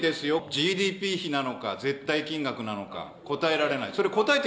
ＧＤＰ比なのか、絶対金額なのか、答えられない。